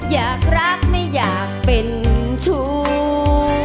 อยากรักไม่อยากเป็นชู้